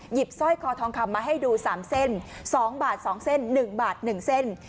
หยิบสร้อยคอทองคำมาให้ดูสามเส้นสองบาทสองเส้นหนึ่งบาทหนึ่งเส้น